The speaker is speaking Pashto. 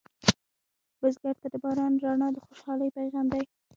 بزګر ته د باران رڼا د خوشحالۍ پیغام دی